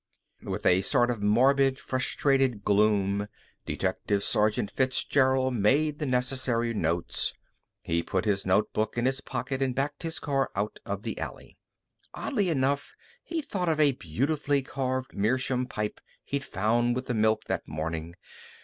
With a sort of morbid, frustrated gloom, Detective Sergeant Fitzgerald made the necessary notes. He put his notebook in his pocket and backed his car out of the alley. Oddly enough, he thought of a beautifully carved meerschaum pipe he'd found with the milk that morning.